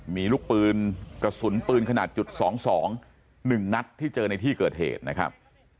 มีลูกปืนกระสุนปืนขนาดจุด๒๒๑นัดที่เจอในที่เกิดเหตุนะครับ